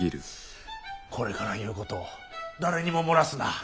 これから言うこと誰にも漏らすな。